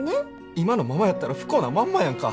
今のままやったら不幸なまんまやんか。